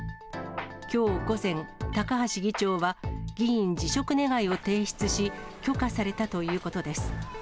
きょう午前、高橋議長は、議員辞職願を提出し、許可されたということです。